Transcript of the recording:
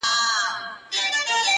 • د غپا او انګولا یې ورک درک سي -